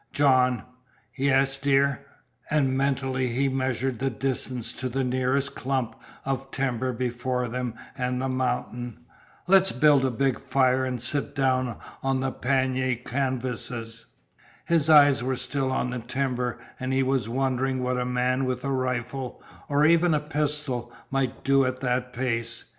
"John " "Yes, dear? " And mentally he measured the distance to the nearest clump of timber between them and the mountain. "Let's build a big fire, and sit down on the pannier canvases." His eyes were still on the timber, and he was wondering what a man with a rifle, or even a pistol, might do at that space.